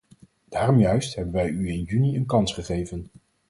Daarom juist hebben wij u in juni een kans gegeven.